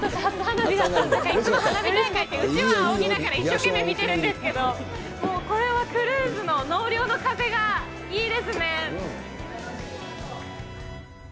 いつも花火大会って、うちわあおぎながら、一生懸命見てるんですけど、これはクルーズの納涼の風がいいですね。